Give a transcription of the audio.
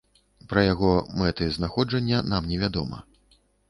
Пра яго мэты знаходжання нам не вядома.